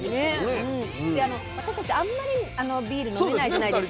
で私たちあんまりビール飲めないじゃないですか。